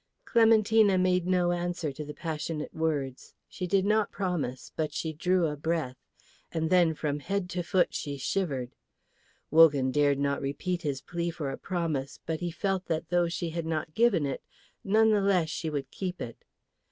Clementina made no answer to the passionate words. She did not promise, but she drew a breath, and then from head to foot she shivered. Wogan dared not repeat his plea for a promise, but he felt that though she had not given it, none the less she would keep it.